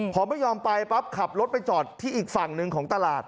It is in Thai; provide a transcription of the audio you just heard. พอไม่ยอมไปปั๊บขับรถไปจอดที่อีกฝั่งหนึ่งของตลาด